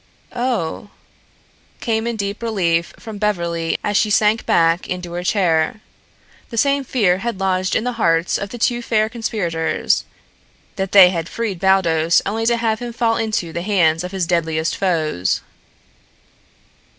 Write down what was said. "Oh," came in deep relief from Beverly as she sank back into her chair. The same fear had lodged in the hearts of the two fair conspirators that they had freed Baldos only to have him fall into the hands of his deadliest foes.